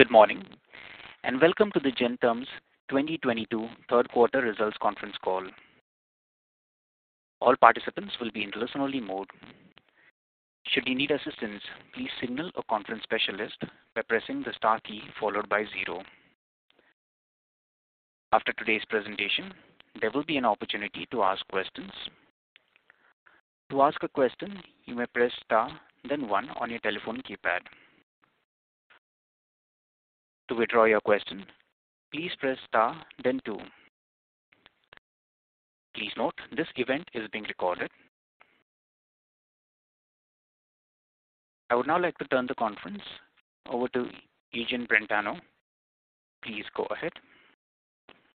Good morning, and welcome to Gentherm's 2022 third quarter results conference call. All participants will be in listen-only mode. Should you need assistance, please signal a conference specialist by pressing the star key followed by zero. After today's presentation, there will be an opportunity to ask questions. To ask a question, you may press star then one on your telephone keypad. To withdraw your question, please press star then two. Please note, this event is being recorded. I would now like to turn the conference over to Yijing Brentano. Please go ahead.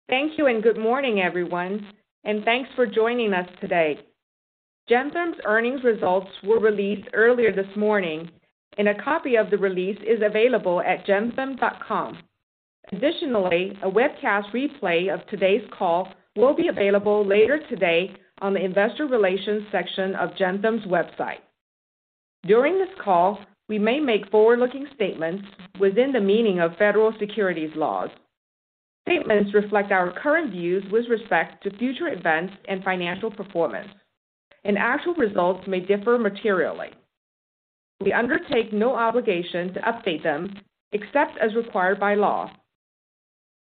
Thank you, and good morning, everyone, and thanks for joining us today. Gentherm's earnings results were released earlier this morning, and a copy of the release is available at gentherm.com. Additionally, a webcast replay of today's call will be available later today on the investor relations section of Gentherm's website. During this call, we may make forward-looking statements within the meaning of federal securities laws. Statements reflect our current views with respect to future events and financial performance, and actual results may differ materially. We undertake no obligation to update them except as required by law.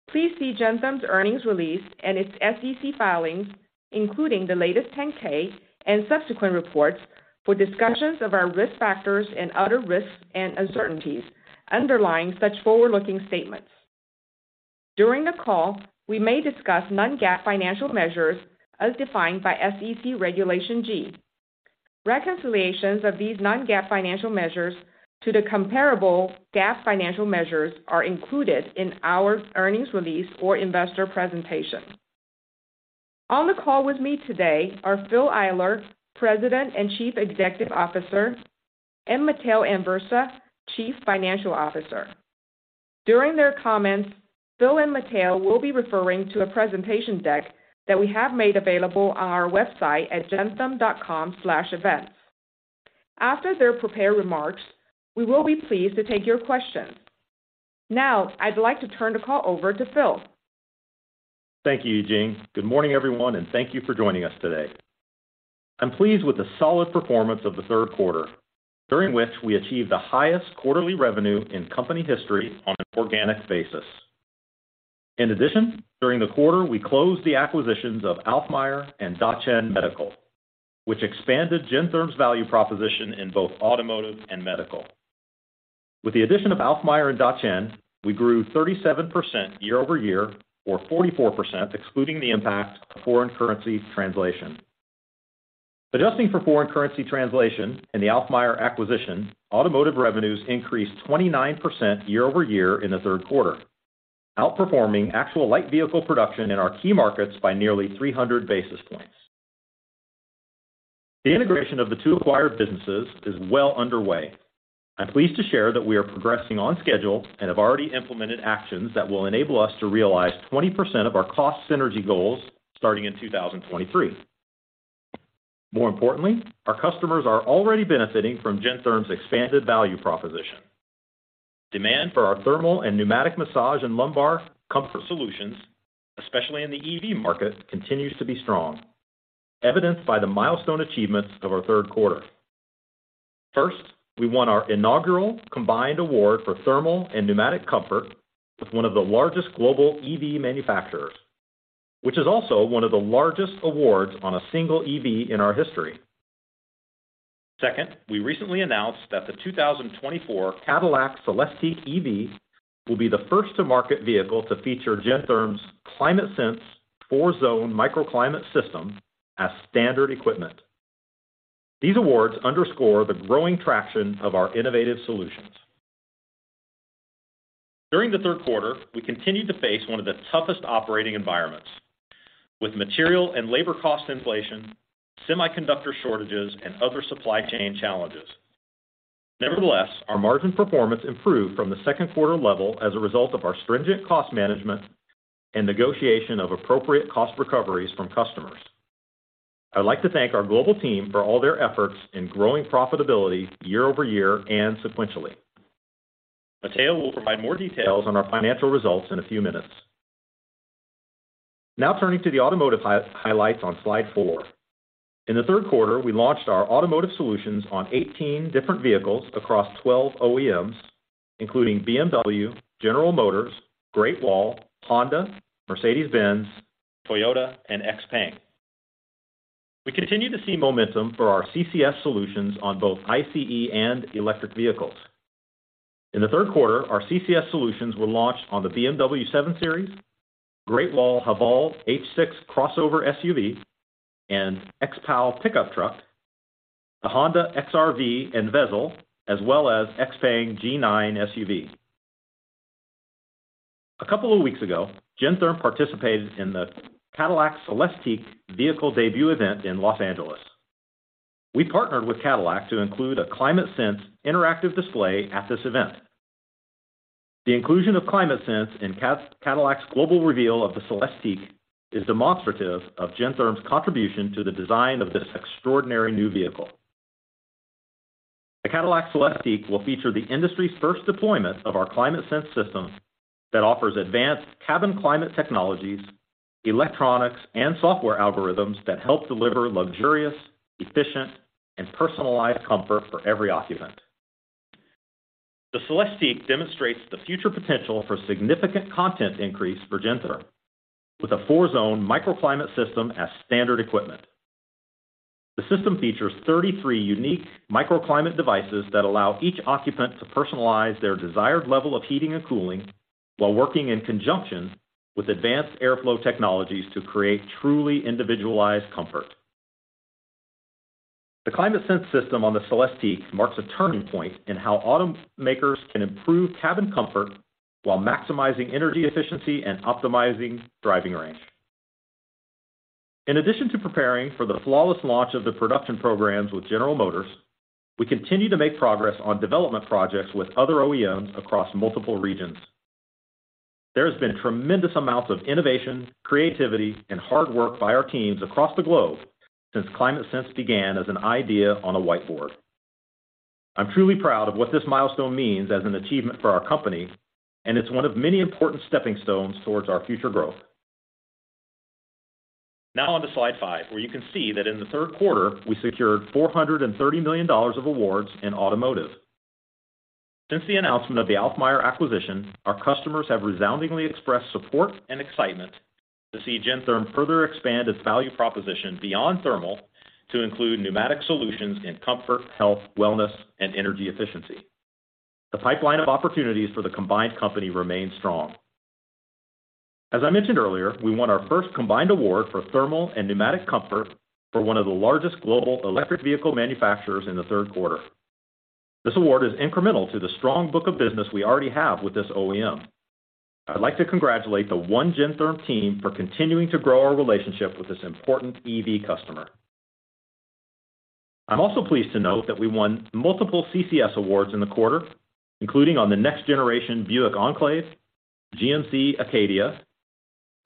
Please see Gentherm's earnings release and its SEC filings, including the latest Form 10-K and subsequent reports for discussions of our risk factors and other risks and uncertainties underlying such forward-looking statements. During the call, we may discuss non-GAAP financial measures as defined by SEC Regulation G. Reconciliations of these non-GAAP financial measures to the comparable GAAP financial measures are included in our earnings release or investor presentation. On the call with me today are Phil Eyler, President and Chief Executive Officer, and Matteo Anversa, Chief Financial Officer. During their comments, Phil and Matteo will be referring to a presentation deck that we have made available on our website at gentherm.com/event. After their prepared remarks, we will be pleased to take your questions. Now, I'd like to turn the call over to Phil. Thank you, Yijing. Good morning, everyone, and thank you for joining us today. I'm pleased with the solid performance of the third quarter, during which we achieved the highest quarterly revenue in company history on an organic basis. In addition, during the quarter, we closed the acquisitions of Alfmeier and Dacheng Medical, which expanded Gentherm's value proposition in both automotive and medical. With the addition of Alfmeier and Dacheng, we grew 37% year-over-year or 44% excluding the impact of foreign currency translation. Adjusting for foreign currency translation and the Alfmeier acquisition, automotive revenues increased 29% year-over-year in the third quarter, outperforming actual light vehicle production in our key markets by nearly 300 basis points. The integration of the two acquired businesses is well underway. I'm pleased to share that we are progressing on schedule and have already implemented actions that will enable us to realize 20% of our cost synergy goals starting in 2023. More importantly, our customers are already benefiting from Gentherm's expanded value proposition. Demand for our thermal and pneumatic massage and lumbar comfort solutions, especially in the EV market, continues to be strong, evidenced by the milestone achievements of our third quarter. First, we won our inaugural combined award for thermal and pneumatic comfort with one of the largest global EV manufacturers, which is also one of the largest awards on a single EV in our history. Second, we recently announced that the 2024 Cadillac CELESTIQ EV will be the first to market vehicle to feature Gentherm's ClimateSense four-zone microclimate system as standard equipment. These awards underscore the growing traction of our innovative solutions. During the third quarter, we continued to face one of the toughest operating environments with material and labor cost inflation, semiconductor shortages, and other supply chain challenges. Nevertheless, our margin performance improved from the second quarter level as a result of our stringent cost management and negotiation of appropriate cost recoveries from customers. I'd like to thank our global team for all their efforts in growing profitability year-over-year and sequentially. Matteo will provide more details on our financial results in a few minutes. Now turning to the automotive highlights on slide four. In the third quarter, we launched our automotive solutions on 18 different vehicles across 12 OEMs, including BMW, General Motors, Great Wall, Honda, Mercedes-Benz, Toyota, and XPENG. We continue to see momentum for our CCS solutions on both ICE and electric vehicles. In the third quarter, our CCS solutions were launched on the BMW 7 Series, Great Wall Haval H6 crossover SUV, and XPENG pickup truck, the Honda HR-V and Vezel, as well as XPENG G9 SUV. A couple of weeks ago, Gentherm participated in the Cadillac CELESTIQ vehicle debut event in Los Angeles. We partnered with Cadillac to include a ClimateSense interactive display at this event. The inclusion of ClimateSense in Cadillac's global reveal of the CELESTIQ is demonstrative of Gentherm's contribution to the design of this extraordinary new vehicle. The Cadillac CELESTIQ will feature the industry's first deployment of our ClimateSense system that offers advanced cabin climate technologies, electronics, and software algorithms that help deliver luxurious, efficient, and personalized comfort for every occupant. The CELESTIQ demonstrates the future potential for significant content increase for Gentherm, with a four-zone microclimate system as standard equipment. The system features 33 unique microclimate devices that allow each occupant to personalize their desired level of heating and cooling while working in conjunction with advanced airflow technologies to create truly individualized comfort. The ClimateSense system on the CELESTIQ marks a turning point in how automakers can improve cabin comfort while maximizing energy efficiency and optimizing driving range. In addition to preparing for the flawless launch of the production programs with General Motors, we continue to make progress on development projects with other OEMs across multiple regions. There has been tremendous amounts of innovation, creativity, and hard work by our teams across the globe since ClimateSense began as an idea on a whiteboard. I'm truly proud of what this milestone means as an achievement for our company, and it's one of many important stepping stones towards our future growth. Now on to slide five, where you can see that in the third quarter, we secured $430 million of awards in automotive. Since the announcement of the Alfmeier acquisition, our customers have resoundingly expressed support and excitement to see Gentherm further expand its value proposition beyond thermal to include pneumatic solutions in comfort, health, wellness, and energy efficiency. The pipeline of opportunities for the combined company remains strong. As I mentioned earlier, we won our first combined award for thermal and pneumatic comfort for one of the largest global electric vehicle manufacturers in the third quarter. This award is incremental to the strong book of business we already have with this OEM. I'd like to congratulate the one Gentherm team for continuing to grow our relationship with this important EV customer. I'm also pleased to note that we won multiple CCS awards in the quarter, including on the next generation Buick Enclave, GMC Acadia,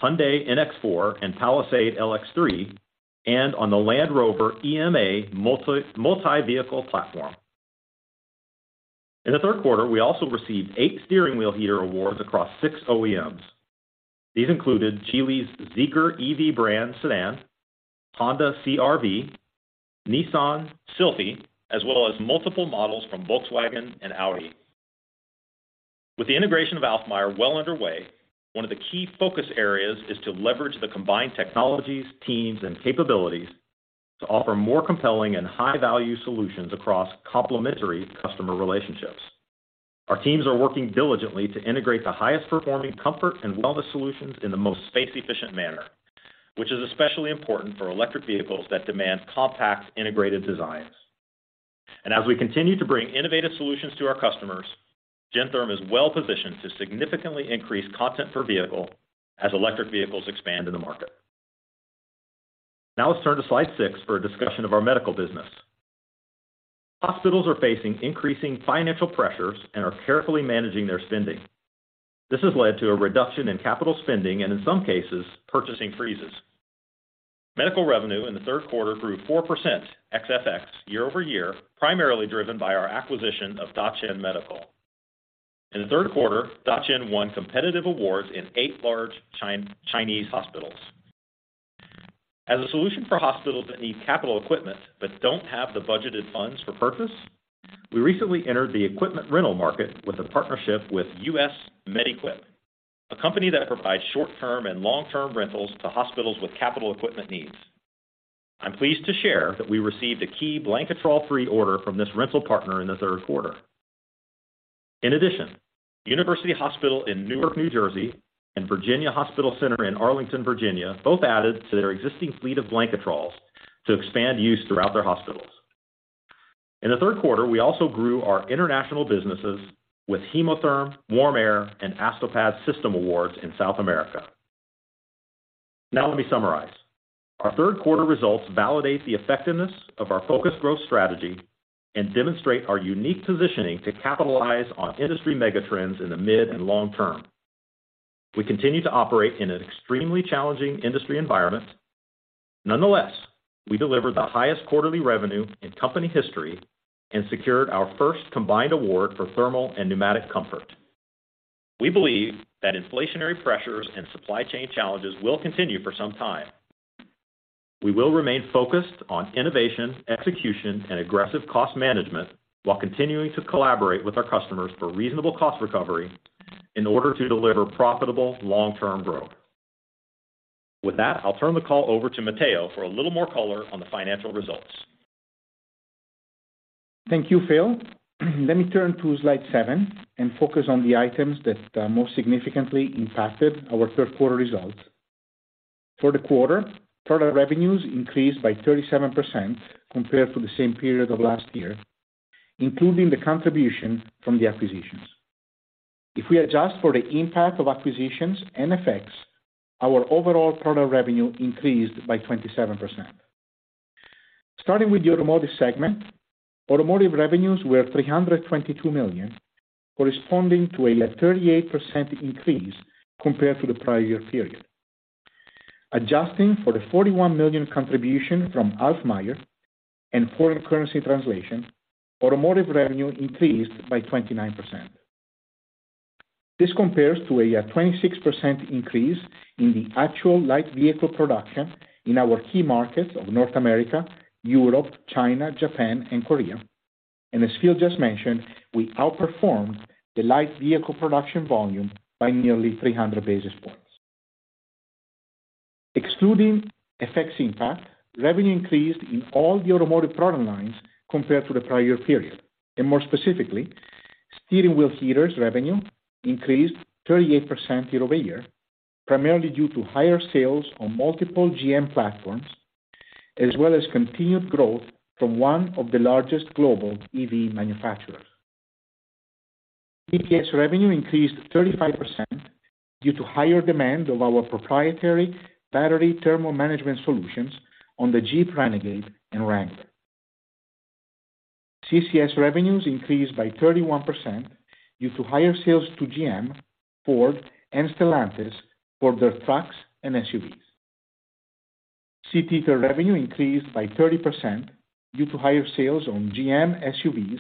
Hyundai NX4, and Palisade LX3, and on the Land Rover EMA multi-vehicle platform. In the third quarter, we also received 8 Steering Wheel Heat awards across 6 OEMs. These included Geely's Zeekr EV brand Sedan, Honda CR-V, Nissan Sylphy, as well as multiple models from Volkswagen and Audi. With the integration of Alfmeier well underway, one of the key focus areas is to leverage the combined technologies, teams, and capabilities to offer more compelling and high-value solutions across complementary customer relationships. Our teams are working diligently to integrate the highest performing comfort and wellness solutions in the most space-efficient manner, which is especially important for electric vehicles that demand compact, integrated designs. As we continue to bring innovative solutions to our customers, Gentherm is well-positioned to significantly increase content per vehicle as electric vehicles expand in the market. Now let's turn to slide six for a discussion of our medical business. Hospitals are facing increasing financial pressures and are carefully managing their spending. This has led to a reduction in capital spending and in some cases, purchasing freezes. Medical revenue in the third quarter grew 4% ex FX year-over-year, primarily driven by our acquisition of Dacheng Medical. In the third quarter, Dacheng won competitive awards in eight large Chinese hospitals. As a solution for hospitals that need capital equipment but don't have the budgeted funds for purchase, we recently entered the equipment rental market with a partnership with US Med-Equip, a company that provides short-term and long-term rentals to hospitals with capital equipment needs. I'm pleased to share that we received a key Blanketrol III order from this rental partner in the third quarter. In addition, University Hospital in Newark, New Jersey, and Virginia Hospital Center in Arlington, Virginia, both added to their existing fleet of Blanketrol to expand use throughout their hospitals. In the third quarter, we also grew our international businesses with Hemotherm, WarmAir, and ASTOPAD system awards in South America. Now let me summarize. Our third quarter results validate the effectiveness of our focused growth strategy and demonstrate our unique positioning to capitalize on industry mega trends in the mid and long term. We continue to operate in an extremely challenging industry environment. Nonetheless, we delivered the highest quarterly revenue in company history and secured our first combined award for thermal and pneumatic comfort. We believe that inflationary pressures and supply chain challenges will continue for some time. We will remain focused on innovation, execution, and aggressive cost management while continuing to collaborate with our customers for reasonable cost recovery in order to deliver profitable long-term growth. With that, I'll turn the call over to Matteo for a little more color on the financial results. Thank you, Phil. Let me turn to slide seven and focus on the items that most significantly impacted our third quarter results. For the quarter, total revenues increased by 37% compared to the same period of last year, including the contribution from the acquisitions. If we adjust for the impact of acquisitions and effects, our overall total revenue increased by 27%. Starting with the automotive segment, automotive revenues were $322 million, corresponding to a 38% increase compared to the prior year period. Adjusting for the $41 million contribution from Alfmeier and foreign currency translation, automotive revenue increased by 29%. This compares to a 26% increase in the actual light vehicle production in our key markets of North America, Europe, China, Japan and Korea. As Phil just mentioned, we outperformed the light vehicle production volume by nearly 300 basis points. Excluding FX impact, revenue increased in all the automotive product lines compared to the prior period. More specifically, Steering Wheel Heaters revenue increased 38% year-over-year, primarily due to higher sales on multiple GM platforms, as well as continued growth from one of the largest global EV manufacturers. EKS revenue increased 35% due to higher demand of our proprietary battery thermal management solutions on the Jeep Renegade and Wrangler. CCS revenues increased by 31% due to higher sales to GM, Ford and Stellantis for their trucks and SUVs. Seat heater revenue increased by 30% due to higher sales on GM SUVs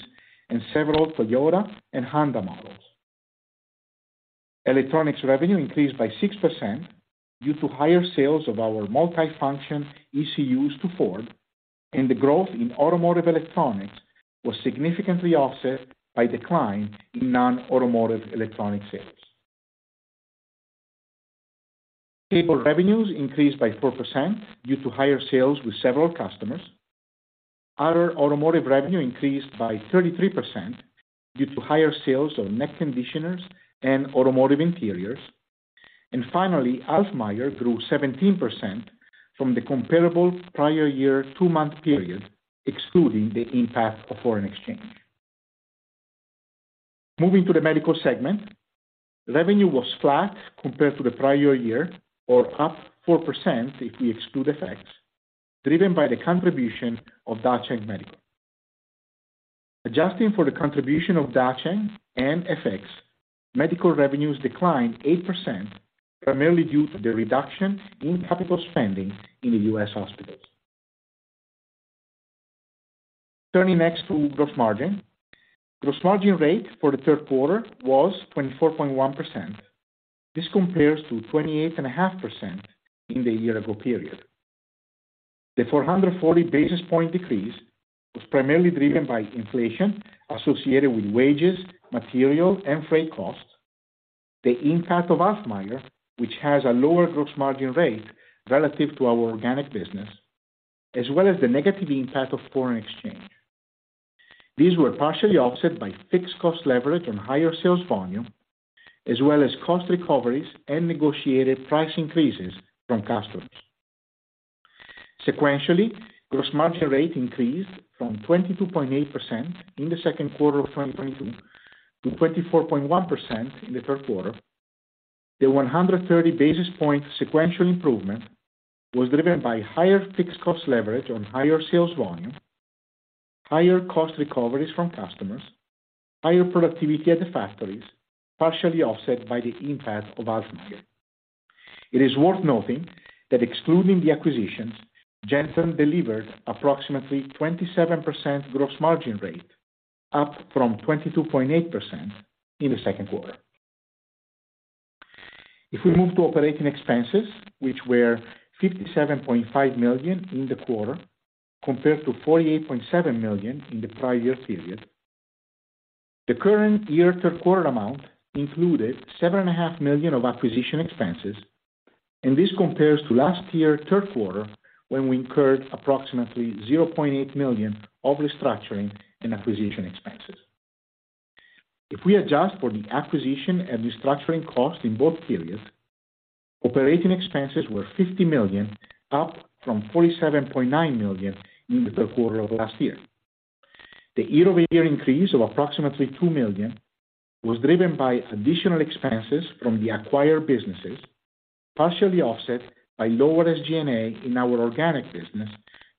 and several Toyota and Honda models. Electronics revenue increased by 6% due to higher sales of our multifunction ECUs to Ford, and the growth in automotive electronics was significantly offset by decline in non-automotive electronic sales. Cable revenues increased by 4% due to higher sales with several customers. Other automotive revenue increased by 33% due to higher sales of neck conditioners and automotive interiors. Finally, Alfmeier grew 17% from the comparable prior year two-month period, excluding the impact of foreign exchange. Moving to the medical segment, revenue was flat compared to the prior year or up 4% if we exclude FX, driven by the contribution of Dacheng Medical. Adjusting for the contribution of Dacheng and FX, medical revenues declined 8%, primarily due to the reduction in capital spending in the U.S. hospitals. Turning next to gross margin. Gross margin rate for the third quarter was 24.1%. This compares to 28.5% in the year ago period. The 440 basis points decrease was primarily driven by inflation associated with wages, material and freight costs. The impact of Alfmeier, which has a lower gross margin rate relative to our organic business, as well as the negative impact of foreign exchange. These were partially offset by fixed cost leverage on higher sales volume, as well as cost recoveries and negotiated price increases from customers. Sequentially, gross margin rate increased from 22.8% in the second quarter of 2022 to 24.1% in the third quarter. The 130 basis points sequential improvement was driven by higher fixed cost leverage on higher sales volume, higher cost recoveries from customers, higher productivity at the factories, partially offset by the impact of Alfmeier. It is worth noting that excluding the acquisitions, Gentherm delivered approximately 27% gross margin rate, up from 22.8% in the second quarter. If we move to operating expenses, which were $57.5 million in the quarter compared to $48.7 million in the prior year period, the current year third quarter amount included $7.5 million of acquisition expenses, and this compares to last year, third quarter, when we incurred approximately $0.8 million of restructuring and acquisition expenses. If we adjust for the acquisition and restructuring cost in both periods, operating expenses were $50 million, up from $47.9 million in the third quarter of last year. The year-over-year increase of approximately $2 million was driven by additional expenses from the acquired businesses, partially offset by lower SG&A in our organic business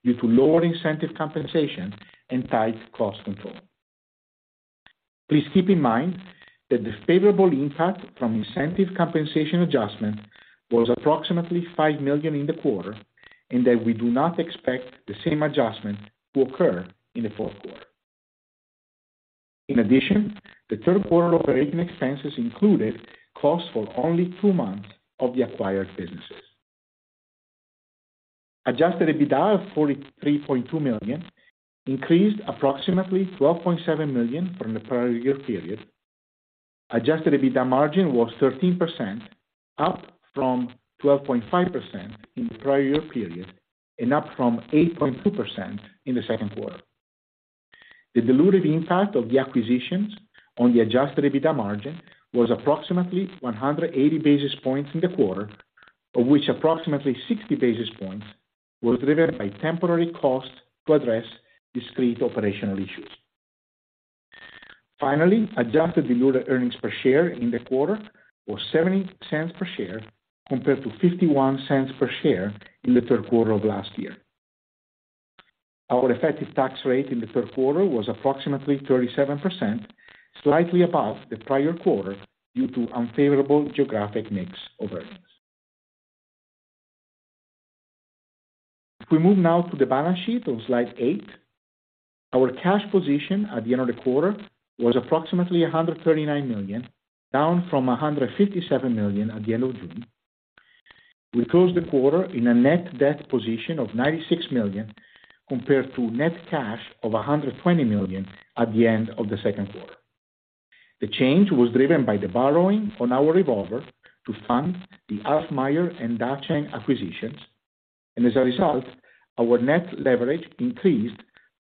due to lower incentive compensation and tight cost control. Please keep in mind that the favorable impact from incentive compensation adjustment was approximately $5 million in the quarter, and that we do not expect the same adjustment to occur in the fourth quarter. In addition, the third quarter operating expenses included costs for only two months of the acquired businesses. Adjusted EBITDA of $43.2 million increased approximately $12.7 million from the prior year period. Adjusted EBITDA margin was 13%, up from 12.5% in the prior year period and up from 8.2% in the second quarter. The dilutive impact of the acquisitions on the adjusted EBITDA margin was approximately 180 basis points in the quarter, of which approximately 60 basis points was driven by temporary costs to address discrete operational issues. Finally, adjusted diluted earnings per share in the quarter was $0.70 per share compared to $0.51 per share in the third quarter of last year. Our effective tax rate in the third quarter was approximately 37%, slightly above the prior quarter due to unfavorable geographic mix of earnings. If we move now to the balance sheet on slide eight, our cash position at the end of the quarter was approximately $139 million, down from $157 million at the end of June. We closed the quarter in a net debt position of $96 million compared to net cash of $120 million at the end of the second quarter. The change was driven by the borrowing on our revolver to fund the Alfmeier and Dacheng acquisitions. As a result, our net leverage increased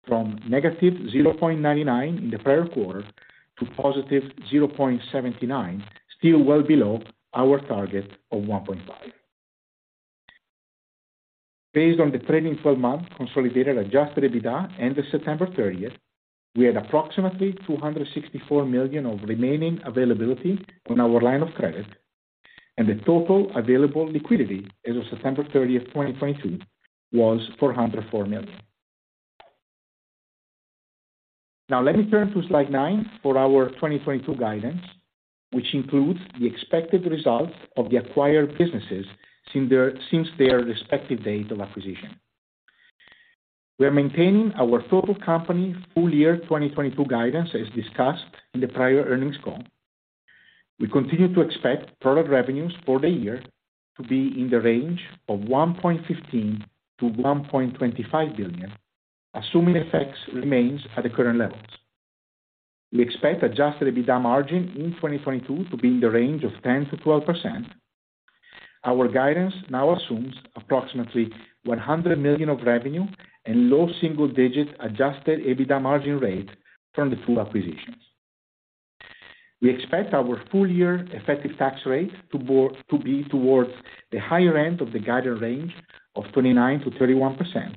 from -0.99 in the prior quarter to 0.79, still well below our target of 1.5. Based on the trailing twelve-month consolidated adjusted EBITDA and the September 30, we had approximately $264 million of remaining availability on our line of credit, and the total available liquidity as of September 30, 2022 was $404 million. Now let me turn to slide nine for our 2022 guidance, which includes the expected results of the acquired businesses since their respective date of acquisition. We are maintaining our total company full year 2022 guidance as discussed in the prior earnings call. We continue to expect product revenues for the year to be in the range of $1.15 billion-$1.25 billion, assuming FX remains at the current levels. We expect adjusted EBITDA margin in 2022 to be in the range of 10%-12%. Our guidance now assumes approximately $100 million of revenue and low single digit adjusted EBITDA margin rate from the two acquisitions. We expect our full year effective tax rate to be towards the higher end of the guided range of 29%-31%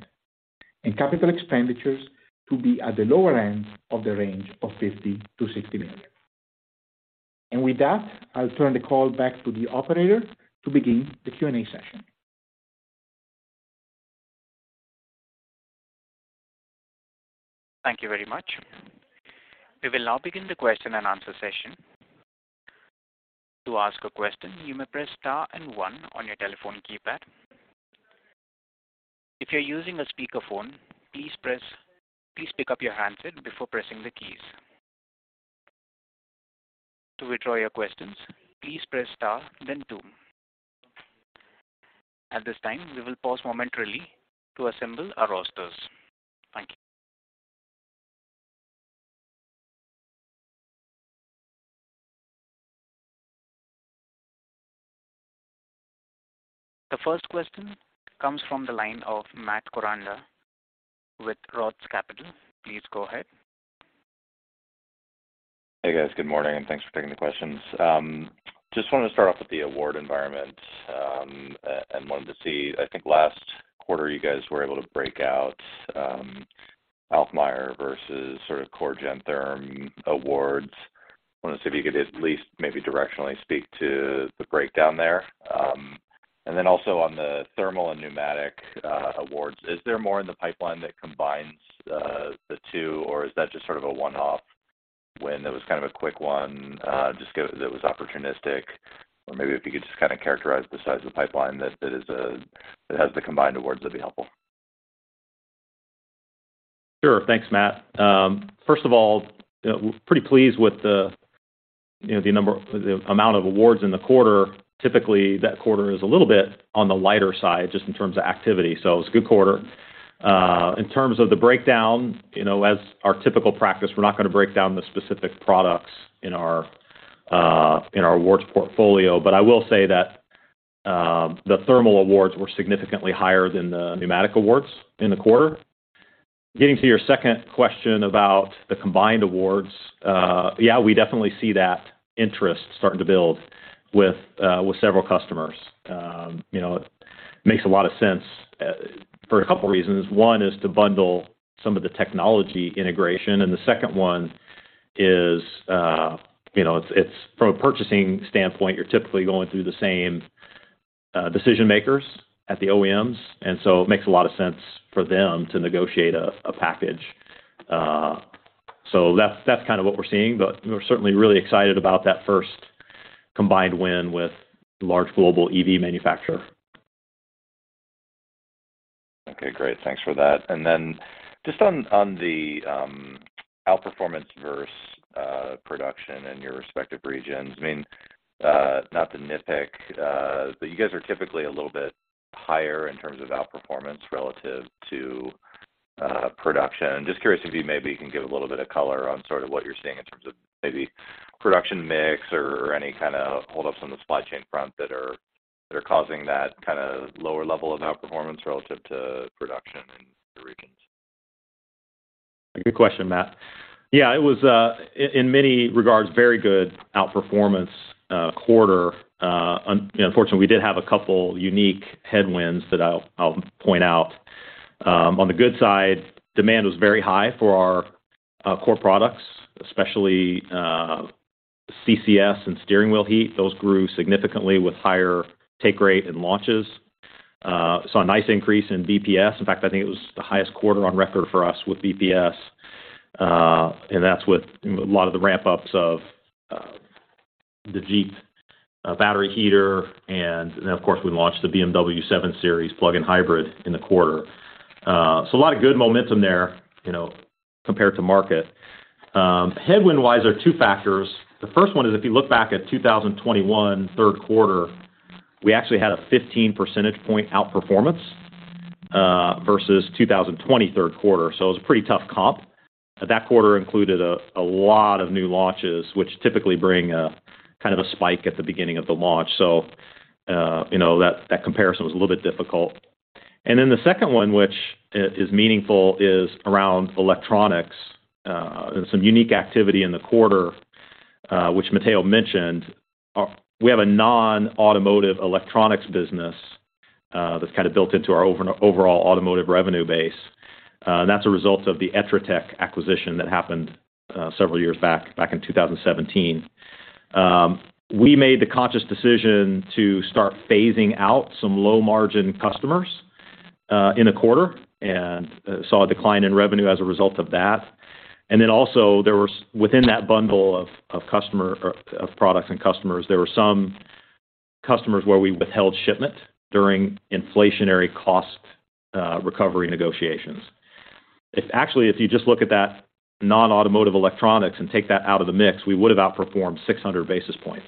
and capital expenditures to be at the lower end of the range of $50 million-$60 million. With that, I'll turn the call back to the operator to begin the Q&A session. Thank you very much. We will now begin the question and answer session. To ask a question, you may press star and one on your telephone keypad. If you're using a speakerphone, please pick up your handset before pressing the keys. To withdraw your questions, please press star then two. At this time, we will pause momentarily to assemble our rosters. Thank you. The first question comes from the line of Matt Koranda with Roth Capital. Please go ahead. Hey, guys. Good morning, and thanks for taking the questions. Just wanted to start off with the award environment, and wanted to see, I think last quarter you guys were able to break out, Alfmeier versus sort of core Gentherm awards. Wanted to see if you could at least maybe directionally speak to the breakdown there. Then also on the thermal and pneumatic awards, is there more in the pipeline that combines the two, or is that just sort of a one-off win that was kind of a quick one, that was opportunistic? Or maybe if you could just kind of characterize the size of the pipeline that has the combined awards, that'd be helpful. Sure. Thanks, Matt. First of all, we're pretty pleased with the, you know, the amount of awards in the quarter. Typically, that quarter is a little bit on the lighter side just in terms of activity, so it was a good quarter. In terms of the breakdown, you know, as our typical practice, we're not gonna break down the specific products in our awards portfolio, but I will say that, the thermal awards were significantly higher than the pneumatic awards in the quarter. Getting to your second question about the combined awards, yeah, we definitely see that interest starting to build with several customers. You know, it makes a lot of sense, for a couple reasons. One is to bundle some of the technology integration, and the second one is, you know, it's from a purchasing standpoint, you're typically going through the same decision-makers at the OEMs, and so it makes a lot of sense for them to negotiate a package. That's kind of what we're seeing, but we're certainly really excited about that first combined win with large global EV manufacturer. Okay, great. Thanks for that. Then just on the outperformance versus production in your respective regions, I mean, not to nitpick, but you guys are typically a little bit higher in terms of outperformance relative to production. Just curious if you maybe can give a little bit of color on sort of what you're seeing in terms of maybe production mix or any kind of hold-ups on the supply chain front that are causing that kind of lower level of outperformance relative to production in the regions? Good question, Matt. Yeah, it was in many regards very good outperformance quarter. You know, unfortunately, we did have a couple unique headwinds that I'll point out. On the good side, demand was very high for our core products, especially. CCS and Steering Wheel Heat, those grew significantly with higher take rate and launches. Saw a nice increase in BPS. In fact, I think it was the highest quarter on record for us with BPS. And that's with, you know, a lot of the ramp-ups of the Jeep battery heater, and then of course, we launched the BMW 7 Series plug-in hybrid in the quarter. So a lot of good momentum there, you know, compared to market. Headwind-wise, there are two factors. The first one is, if you look back at 2021 third quarter, we actually had a 15 percentage point outperformance versus 2023 third quarter, so it was a pretty tough comp. That quarter included a lot of new launches, which typically bring a kind of a spike at the beginning of the launch. You know, that comparison was a little bit difficult. The second one, which is meaningful, is around electronics. There was some unique activity in the quarter, which Matteo mentioned. We have a non-automotive electronics business that's kind of built into our overall automotive revenue base. That's a result of the Etratech acquisition that happened several years back in 2017. We made the conscious decision to start phasing out some low-margin customers in the quarter and saw a decline in revenue as a result of that. Within that bundle of products and customers, there were some customers where we withheld shipment during inflationary cost recovery negotiations. Actually, if you just look at that non-automotive electronics and take that out of the mix, we would've outperformed 600 basis points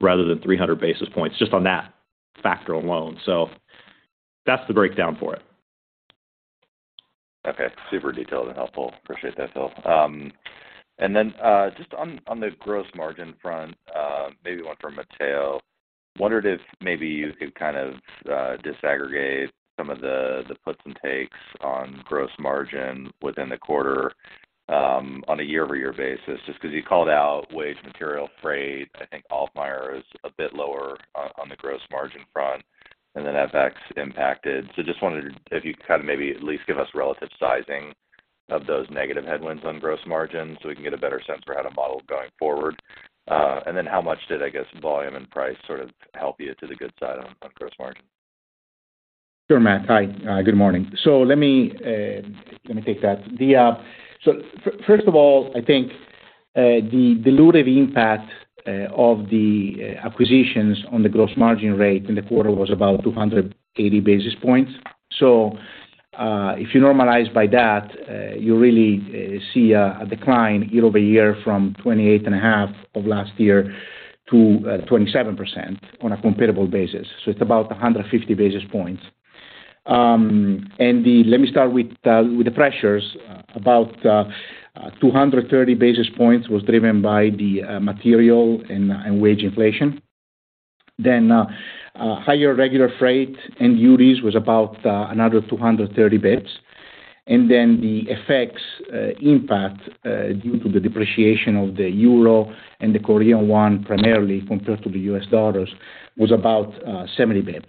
rather than 300 basis points just on that factor alone. That's the breakdown for it. Okay. Super detailed and helpful. Appreciate that, Phil. Just on the gross margin front, maybe one for Matteo. Wondered if maybe you could kind of disaggregate some of the puts and takes on gross margin within the quarter, on a year-over-year basis, just 'cause you called out wage, material, freight. I think Alfmeier is a bit lower on the gross margin front, and then FX impacted. Just wondered if you could kind of maybe at least give us relative sizing of those negative headwinds on gross margin so we can get a better sense for how to model going forward. How much did, I guess, volume and price sort of help you to the good side on gross margin? Sure, Matt. Hi, good morning. Let me take that. First of all, I think the dilutive impact of the acquisitions on the gross margin rate in the quarter was about 280 basis points. If you normalize by that, you really see a decline year-over-year from 28.5% of last year to 27% on a comparable basis. It's about 150 basis points. Let me start with the pressures. About 230 basis points was driven by the material and wage inflation. Higher regular freight and duties was about another 230 basis points. The FX impact due to the depreciation of the Euro and the Korean Won primarily compared to the U.S. dollars was about 70 bps.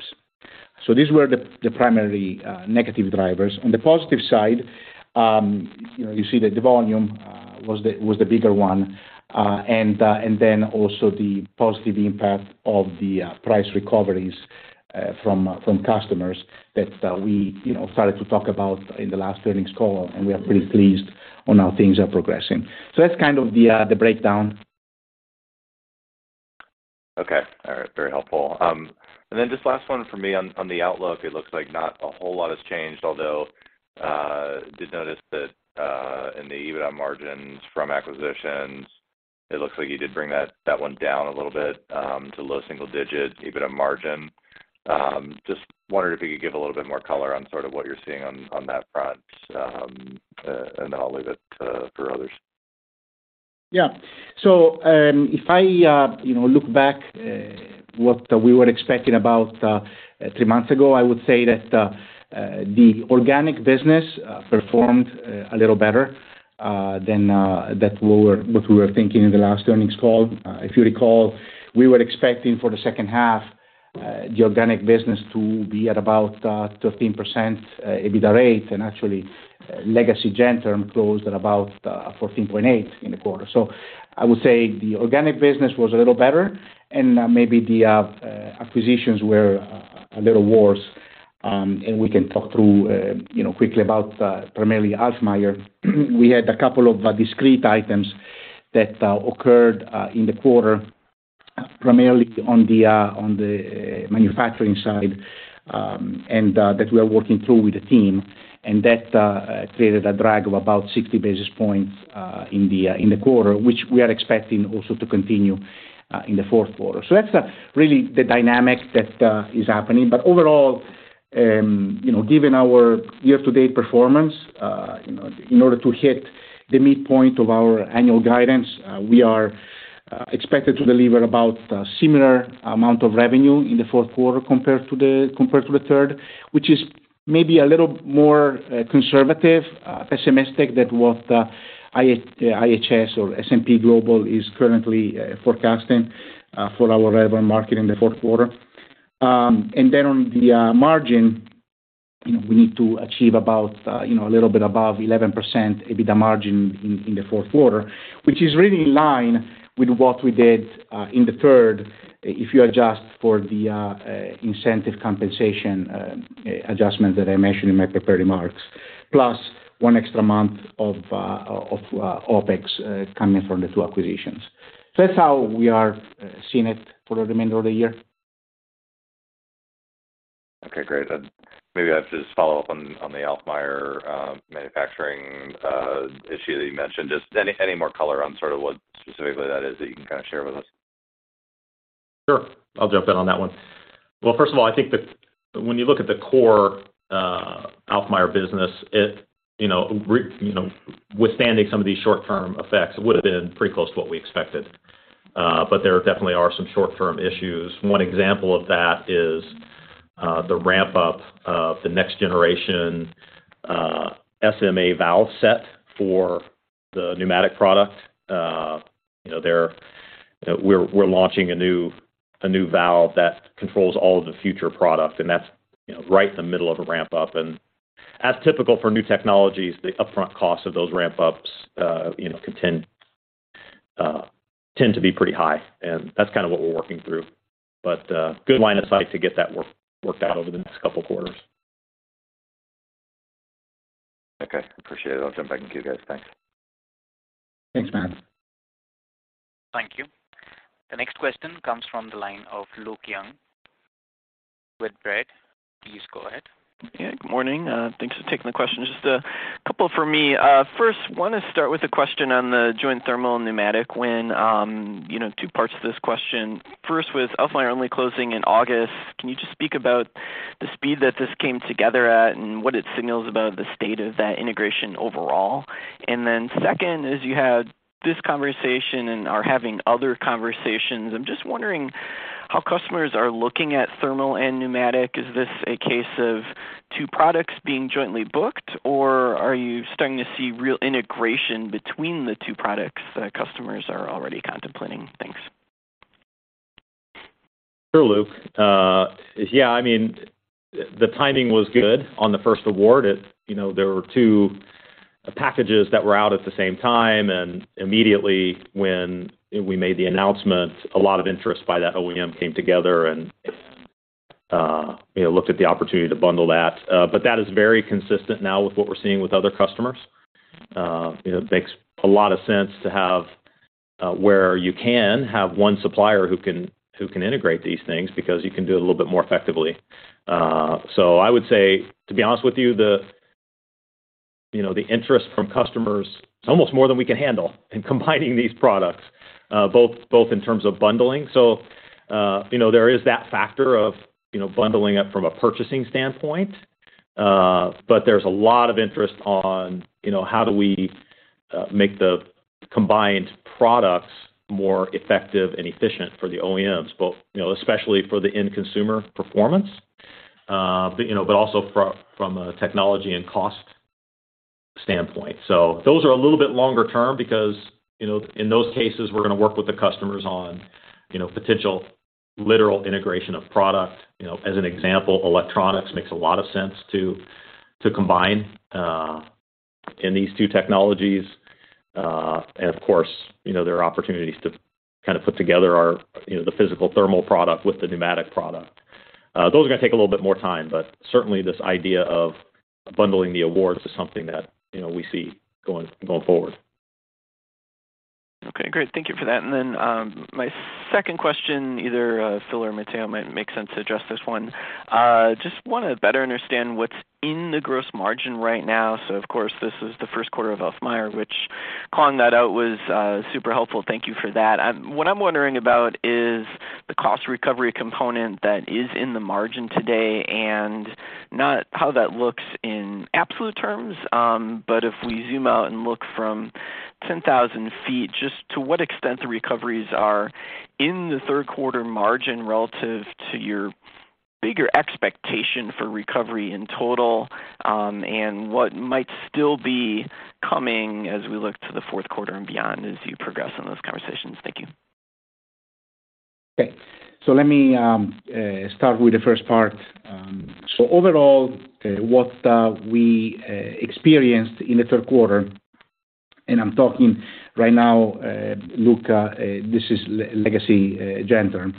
These were the primary negative drivers. On the positive side, you know, you see that the volume was the bigger one. Then also the positive impact of the price recoveries from customers that we you know started to talk about in the last earnings call, and we are pretty pleased on how things are progressing. That's kind of the breakdown. Okay. All right, very helpful. Just last one from me on the outlook. It looks like not a whole lot has changed, although did notice that in the EBITDA margins from acquisitions, it looks like you did bring that one down a little bit to low single digits EBITDA margin. Just wondering if you could give a little bit more color on sort of what you're seeing on that front. I'll leave it for others. If I, you know, look back at what we were expecting about three months ago, I would say that the organic business performed a little better than what we were thinking in the last earnings call. If you recall, we were expecting for the second half the organic business to be at about 13% EBITDA rate, and actually legacy Gentherm closed at about 14.8% in the quarter. I would say the organic business was a little better, and maybe the acquisitions were a little worse. We can talk through, you know, quickly about primarily Alfmeier. We had a couple of discrete items that occurred in the quarter, primarily on the manufacturing side, and that we are working through with the team. That created a drag of about 60 basis points in the quarter, which we are expecting also to continue in the fourth quarter. That's really the dynamic that is happening. Overall, you know, given our year-to-date performance, you know, in order to hit the midpoint of our annual guidance, we are expected to deliver about a similar amount of revenue in the fourth quarter compared to the third, which is maybe a little more conservative, pessimistic than what IHS or S&P Global is currently forecasting for our revenue market in the fourth quarter. On the margin, you know, we need to achieve about, you know, a little bit above 11% EBITDA margin in the fourth quarter, which is really in line with what we did in the third quarter if you adjust for the incentive compensation adjustment that I mentioned in my prepared remarks, plus one extra month of OpEx coming from the two acquisitions. That's how we are seeing it for the remainder of the year. Okay, great. Maybe I'll just follow up on the Alfmeier manufacturing issue that you mentioned. Just any more color on sort of what specifically that is that you can kind of share with us? Sure. I'll jump in on that one. Well, first of all, I think when you look at the core Alfmeier business, it you know withstanding some of these short-term effects, it would've been pretty close to what we expected. There definitely are some short-term issues. One example of that is the ramp up of the next generation SMA valve set for the pneumatic product. We're launching a new valve that controls all of the future product, and that's you know right in the middle of a ramp up. As typical for new technologies, the upfront costs of those ramp ups you know can tend to be pretty high, and that's kind of what we're working through. But good line of sight to get that worked out over the next couple quarters. Okay. Appreciate it. I'll jump back in queue, guys. Thanks. Thanks, Matt. Thank you. The next question comes from the line of Luke Junk with Baird. Please go ahead. Yeah. Good morning. Thanks for taking the question. Just a couple from me. First, wanna start with a question on the joint thermal and pneumatic win. You know, two parts to this question. First, with Alfmeier only closing in August, can you just speak about the speed that this came together at and what it signals about the state of that integration overall? Second is you had this conversation and are having other conversations. I'm just wondering how customers are looking at thermal and pneumatic. Is this a case of two products being jointly booked, or are you starting to see real integration between the two products that customers are already contemplating? Thanks. Sure, Luke. Yeah, I mean, the timing was good on the first award. You know, there were two packages that were out at the same time, and immediately when we made the announcement, a lot of interest by that OEM came together and, you know, looked at the opportunity to bundle that. That is very consistent now with what we're seeing with other customers. You know, it makes a lot of sense to have where you can have one supplier who can integrate these things because you can do it a little bit more effectively. I would say, to be honest with you know, the interest from customers, it's almost more than we can handle in combining these products, both in terms of bundling. So, you know, there is that factor of, you know, bundling it from a purchasing standpoint. but there's a lot of interest on, you know, how do we make the combined products more effective and efficient for the OEMs, both, you know, especially for the end consumer performance, but, you know, but also from a technology and cost standpoint. those are a little bit longer term because, you know, in those cases, we're gonna work with the customers on, you know, potential literal integration of product. You know, as an example, electronics makes a lot of sense to combine in these two technologies. and of course, you know, there are opportunities to kind of put together our, you know, the physical thermal product with the pneumatic product. Those are gonna take a little bit more time, but certainly this idea of bundling the awards is something that, you know, we see going forward. Okay. Great. Thank you for that. My second question, either Phil or Matteo, it might make sense to address this one. Just want to better understand what's in the gross margin right now. So of course, this is the first quarter of Alfmeier, which calling that out was super helpful. Thank you for that. What I'm wondering about is the cost recovery component that is in the margin today, and not how that looks in absolute terms, but if we zoom out and look from 10,000 feet, just to what extent the recoveries are in the third quarter margin relative to your bigger expectation for recovery in total, and what might still be coming as we look to the fourth quarter and beyond as you progress on those conversations. Thank you. Okay. Let me start with the first part. Overall, what we experienced in the third quarter, and I'm talking right now, Luke, this is legacy Gentherm.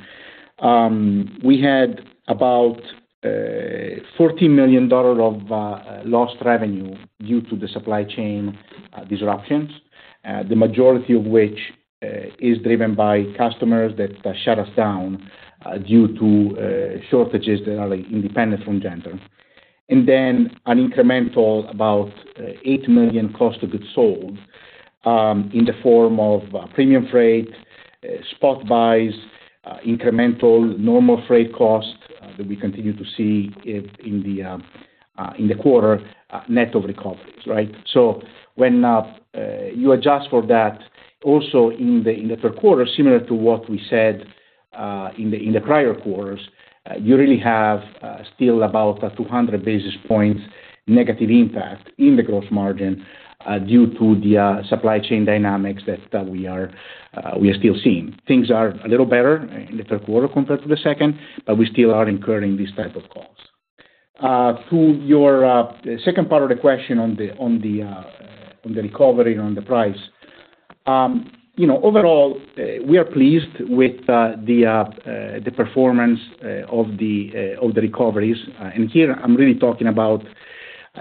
We had about $40 million of lost revenue due to the supply chain disruptions, the majority of which is driven by customers that shut us down due to shortages that are independent from Gentherm. Then an incremental about $8 million cost of goods sold in the form of premium freight, spot buys, incremental normal freight costs that we continue to see it in the quarter net of recoveries, right? So, when you adjust for that also in the third quarter, similar to what we said in the prior quarters, you really have still about 200 basis points negative impact in the gross margin due to the supply chain dynamics that we are still seeing. Things are a little better in the third quarter compared to the second, but we still are incurring these type of costs. To your second part of the question on the recovery on the price. You know, overall, we are pleased with the performance of the recoveries. Here I'm really talking about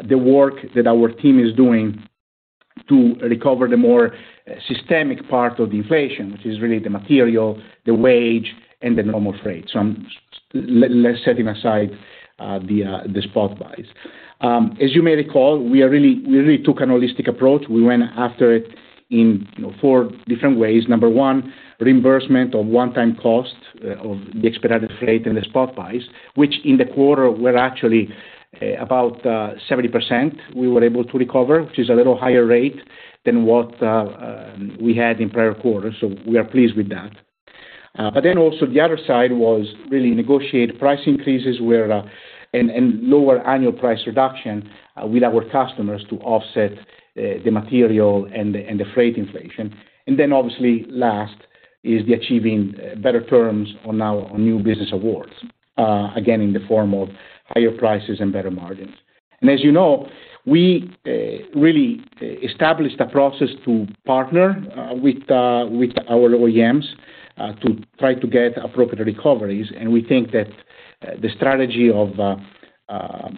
the work that our team is doing to recover the more systemic part of the inflation, which is really the material, the wage, and the normal freight. Let's set aside the spot buys. As you may recall, we really took a holistic approach. We went after it, you know, in four different ways. Number one, reimbursement of one-time cost of the expedited freight and the spot buys, which in the quarter were actually about 70% we were able to recover, which is a little higher rate than what we had in prior quarters. We are pleased with that. Also the other side was really negotiate price increases where and lower annual price reduction with our customers to offset the material and the freight inflation. Obviously last is the achieving better terms on our new business awards, again, in the form of higher prices and better margins. As you know, we really established a process to partner with our OEMs to try to get appropriate recoveries. We think that the strategy of,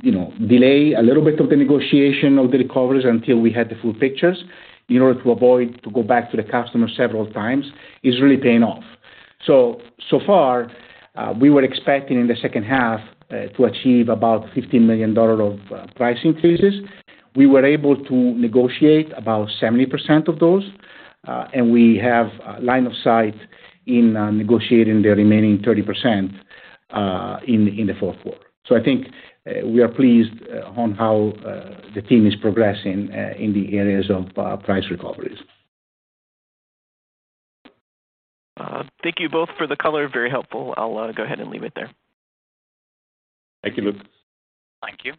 you know, delay a little bit of the negotiation of the recoveries until we had the full pictures in order to avoid to go back to the customer several times is really paying off. So far, we were expecting in the second half to achieve about $15 million of price increases. We were able to negotiate about 70% of those, and we have line of sight in negotiating the remaining 30% in the fourth quarter. I think we are pleased on how the team is progressing in the areas of price recoveries. Thank you both for the color. Very helpful. I'll go ahead and leave it there. Thank you, Luke. Thank you.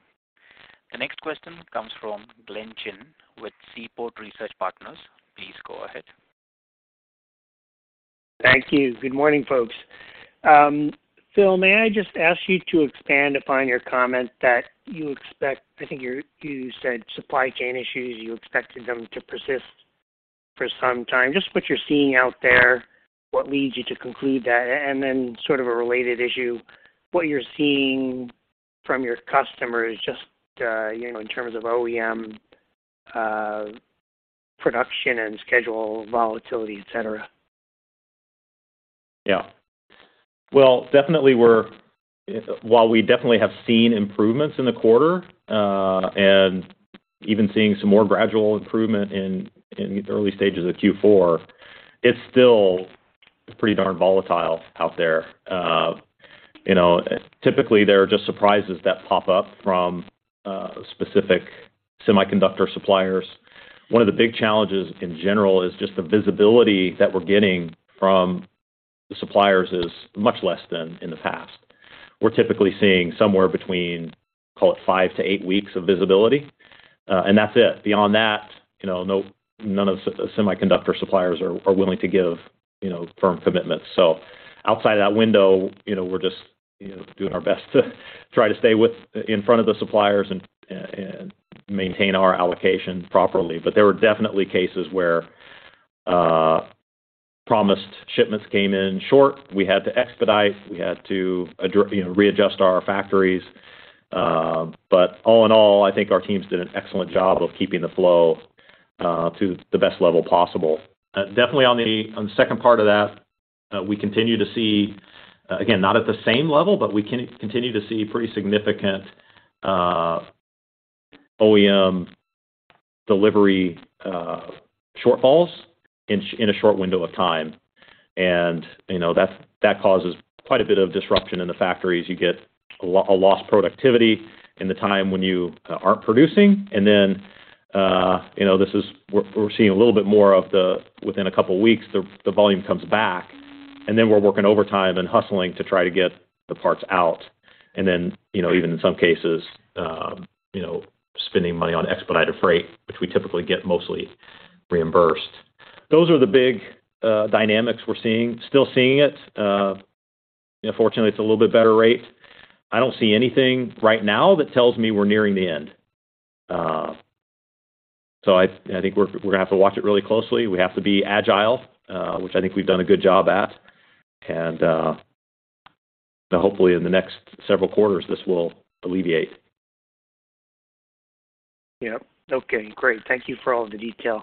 The next question comes from Glenn Chin with Seaport Research Partners. Please go ahead. Thank you. Good morning, folks. Phil, may I just ask you to expand upon your comment that you expect. I think you said supply chain issues, you expected them to persist for some time. Just what you're seeing out there, what leads you to conclude that? Sort of a related issue, what you're seeing from your customers, just, you know, in terms of OEM production and schedule volatility, et cetera. Well, definitely while we definitely have seen improvements in the quarter and even seeing some more gradual improvement in early stages of Q4, it's still pretty darn volatile out there. You know, typically, there are just surprises that pop up from specific semiconductor suppliers. One of the big challenges in general is just the visibility that we're getting from the suppliers is much less than in the past. We're typically seeing somewhere between, call it five to eight weeks of visibility, and that's it. Beyond that, you know, none of the semiconductor suppliers are willing to give, you know, firm commitments. Outside that window, you know, we're just, you know, doing our best to try to stay in front of the suppliers and maintain our allocation properly. There were definitely cases where promised shipments came in short. We had to expedite, you know, readjust our factories. All in all, I think our teams did an excellent job of keeping the flow to the best level possible. Definitely on the second part of that, we continue to see, again, not at the same level, but we continue to see pretty significant OEM delivery shortfalls in a short window of time. You know, that causes quite a bit of disruption in the factories. You get a lost productivity in the time when you aren't producing. We're seeing a little bit more of the within a couple weeks the volume comes back, and then we're working overtime and hustling to try to get the parts out. Even in some cases spending money on expedited freight, which we typically get mostly reimbursed. Those are the big dynamics we're seeing. Still seeing it. Fortunately, it's a little bit better rate. I don't see anything right now that tells me we're nearing the end. I think we're gonna have to watch it really closely. We have to be agile, which I think we've done a good job at. Hopefully in the next several quarters, this will alleviate. Yep. Okay, great. Thank you for all the detail.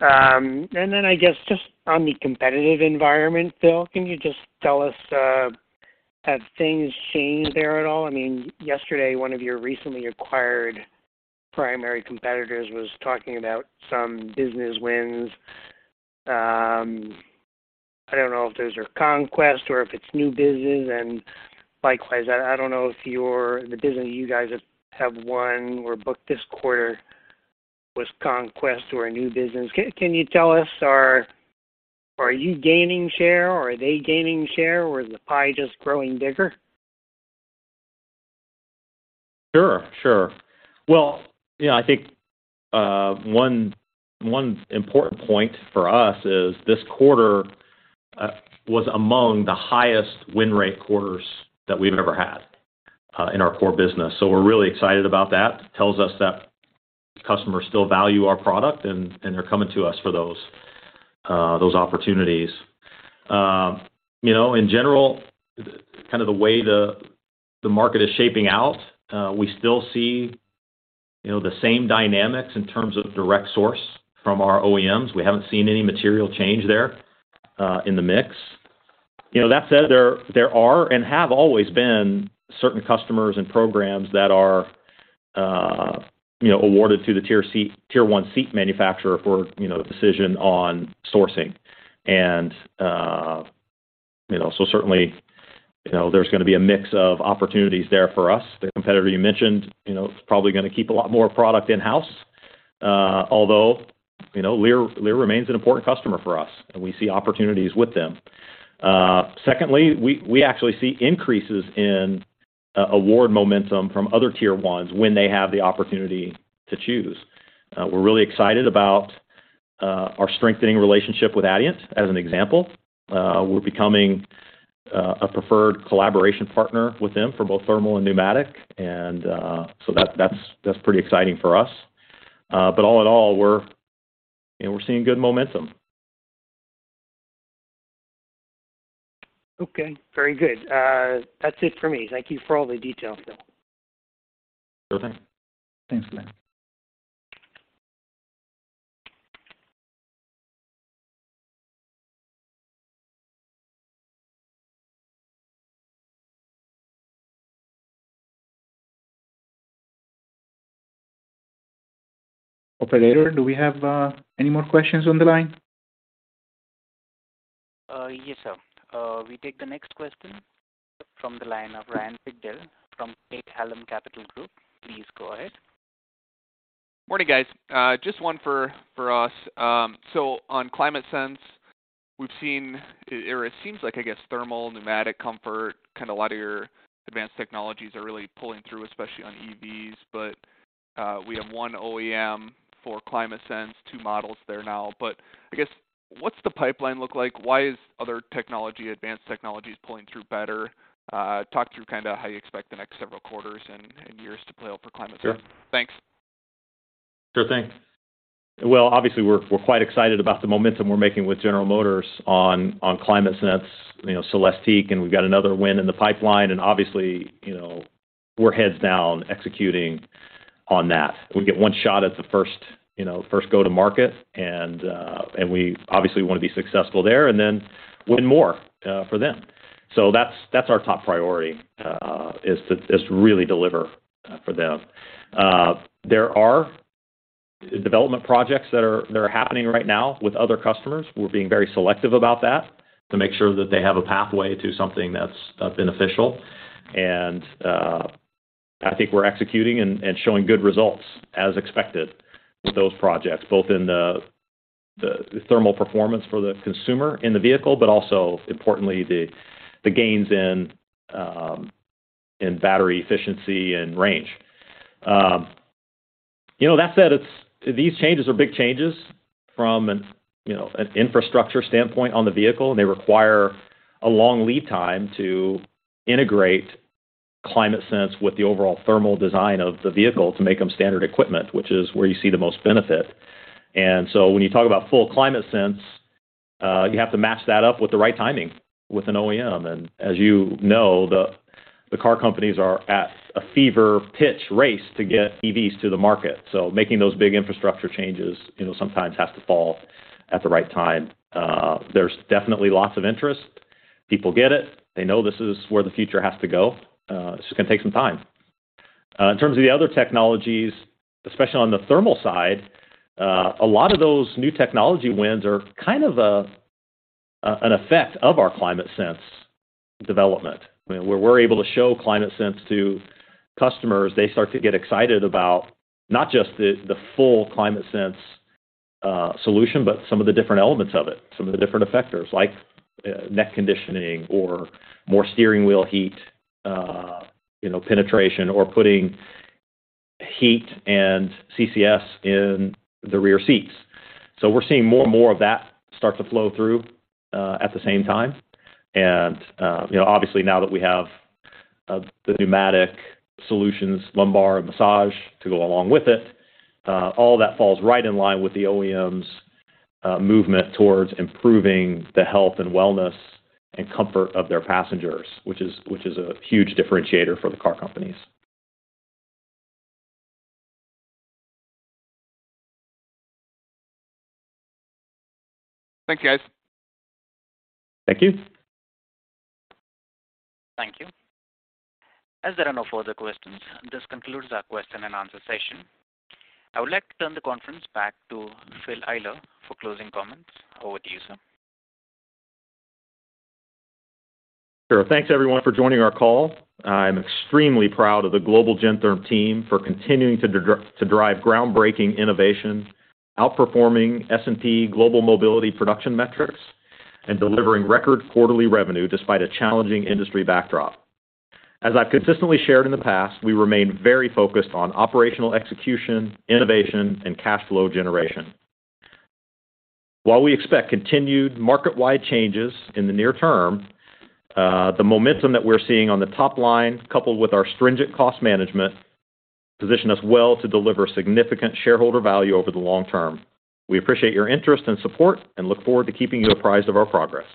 I guess just on the competitive environment, Phil, can you just tell us, have things changed there at all? I mean, yesterday, one of your recently acquired primary competitors was talking about some business wins. I don't know if those are conquest or if it's new business. Likewise, I don't know if the business you guys have won or booked this quarter was conquest or a new business. Can you tell us or are you gaining share or are they gaining share, or is the pie just growing bigger? Sure, sure. Well, you know, I think one important point for us is this quarter was among the highest win rate quarters that we've ever had in our core business. We're really excited about that. Tells us that customers still value our product and they're coming to us for those opportunities. You know, in general, kind of the way the market is shaping out, we still see you know, the same dynamics in terms of direct source from our OEMs. We haven't seen any material change there in the mix. You know, that said, there are and have always been certain customers and programs that are you know, awarded to the Tier 1 one seat manufacturer for you know, the decision on sourcing. You know, so certainly, you know, there's gonna be a mix of opportunities there for us. The competitor you mentioned, you know, is probably gonna keep a lot more product in-house, although, you know, Lear remains an important customer for us, and we see opportunities with them. Secondly, we actually see increases in award momentum from other Tier 1's when they have the opportunity to choose. We're really excited about our strengthening relationship with Adient as an example. We're becoming a preferred collaboration partner with them for both thermal and pneumatic, and so that's pretty exciting for us. All in all, we're, you know, we're seeing good momentum. Okay, very good. That's it for me. Thank you for all the details, Phil. Sure thing. Thanks, Glenn. Operator, do we have any more questions on the line? Yes, sir. We take the next question from the line of Ryan Sigdahl from Craig-Hallum Capital Group. Please go ahead. Morning, guys. Just one for us. On ClimateSense, we've seen or it seems like, I guess, thermal, pneumatic comfort, kinda a lot of your advanced technologies are really pulling through, especially on EVs. We have 1 OEM for ClimateSense, two models there now. I guess, what's the pipeline look like? Why is other technology, advanced technologies pulling through better? Talk through kinda how you expect the next several quarters and years to play out for ClimateSense. Sure. Thanks. Sure thing. Well, obviously, we're quite excited about the momentum we're making with General Motors on ClimateSense. You know, CELESTIQ, and we've got another win in the pipeline and obviously, you know, we're heads down executing on that. We get one shot at the first, you know, first go to market and we obviously wanna be successful there and then win more for them. So that's our top priority is to really deliver for them. There are development projects that are happening right now with other customers. We're being very selective about that to make sure that they have a pathway to something that's beneficial. I think we're executing and showing good results as expected with those projects, both in the thermal performance for the consumer in the vehicle, but also importantly, the gains in battery efficiency and range. You know, that said, these changes are big changes from an infrastructure standpoint on the vehicle, and they require a long lead time to integrate ClimateSense with the overall thermal design of the vehicle to make them standard equipment, which is where you see the most benefit. When you talk about full ClimateSense, you have to match that up with the right timing with an OEM. As you know, the car companies are at a fever pitch race to get EVs to the market. Making those big infrastructure changes, you know, sometimes has to fall at the right time. There's definitely lots of interest. People get it. They know this is where the future has to go. It's just gonna take some time. In terms of the other technologies, especially on the thermal side, a lot of those new technology wins are kind of an effect of our ClimateSense development. I mean, where we're able to show ClimateSense to customers, they start to get excited about not just the full ClimateSense solution, but some of the different elements of it, some of the different effectors like neck conditioning or more Steering Wheel Heat, you know, penetration or putting heat and CCS in the rear seats. We're seeing more and more of that start to flow through at the same time. You know, obviously now that we have the pneumatic solutions, lumbar massage to go along with it, all that falls right in line with the OEMs' movement towards improving the health and wellness and comfort of their passengers, which is a huge differentiator for the car companies. Thanks, guys. Thank you. Thank you. As there are no further questions, this concludes our question and answer session. I would like to turn the conference back to Phil Eyler for closing comments. Over to you, sir. Sure. Thanks everyone for joining our call. I'm extremely proud of the global Gentherm team for continuing to drive groundbreaking innovation, outperforming S&P Global Mobility production metrics, and delivering record quarterly revenue despite a challenging industry backdrop. As I've consistently shared in the past, we remain very focused on operational execution, innovation, and cash flow generation. While we expect continued market-wide changes in the near term, the momentum that we're seeing on the top line coupled with our stringent cost management position us well to deliver significant shareholder value over the long term. We appreciate your interest and support and look forward to keeping you apprised of our progress.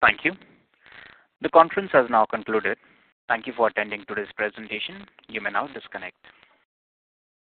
Thank you. The conference has now concluded. Thank you for attending today's presentation. You may now disconnect.